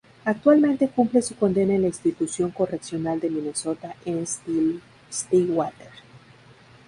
Actualmente cumple su condena en la Institución Correccional de Minesota en Stillwater.